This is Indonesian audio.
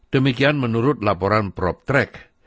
demikian menurut laporan proptrek